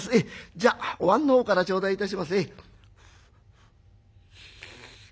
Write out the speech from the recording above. じゃあおわんの方から頂戴いたします」。